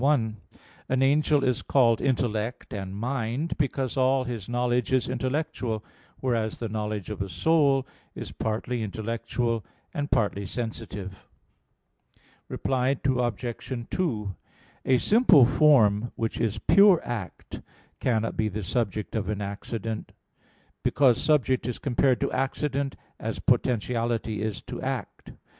1: An angel is called "intellect" and "mind," because all his knowledge is intellectual: whereas the knowledge of a soul is partly intellectual and partly sensitive. Reply Obj. 2: A simple form which is pure act cannot be the subject of accident, because subject is compared to accident as potentiality is to act.